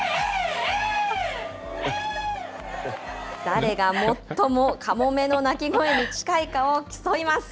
誰が最もカモメの鳴き声に近いかを競います。